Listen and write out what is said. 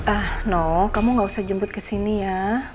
ah noh kamu gak usah jemput kesini ya